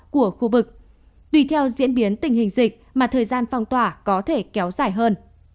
của khu vực tùy theo diễn biến tình hình dịch mà thời gian phong tỏa có thể kéo dài hơn